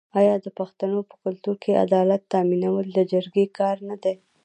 آیا د پښتنو په کلتور کې عدالت تامینول د جرګې کار نه دی؟